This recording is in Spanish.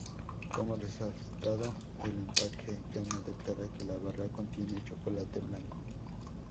Como resultado, el empaque ya no declara que la barra contiene chocolate blanco.